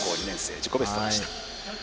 自己ベストでした。